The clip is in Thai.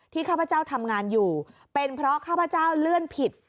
ข้าพเจ้าทำงานอยู่เป็นเพราะข้าพเจ้าเลื่อนผิด